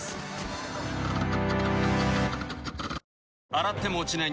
洗っても落ちない